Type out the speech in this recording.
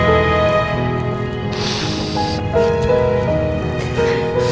tak bisa jadi